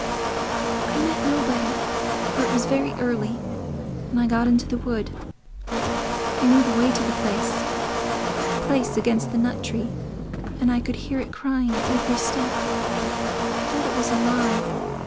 "I met nobody, for it was very early, and I got into the wood.... I knew the way to the place... the place against the nut tree; and I could hear it crying at every step.... I thought it was alive....